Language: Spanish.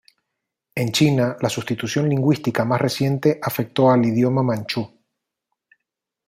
En China la sustitución lingüística más reciente afectó al idioma manchú.